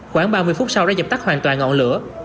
khoảng ba mươi phút sau đã dập tắt hoàn toàn ngọn lửa